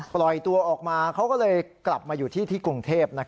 ปล่อยตัวออกมาเขาก็เลยกลับมาอยู่ที่ที่กรุงเทพ